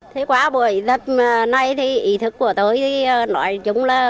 thế qua buổi dập này thì ý thức của tôi nói chúng là